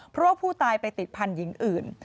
เพราะว่าผู้ตายไปติดพันธุ์หญิงอื่น